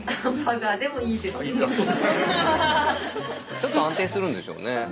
ちょっと安定するんでしょうね。